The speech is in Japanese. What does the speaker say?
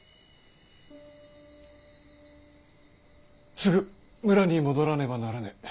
すぐ村に戻らねばならねぇ。